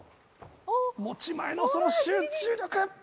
持ち前のその集中力！